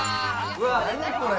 ・うわ何これ！